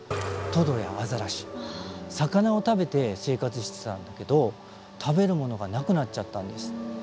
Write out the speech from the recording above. トドやアザラシ魚を食べて生活してたんだけど食べるものがなくなっちゃったんです。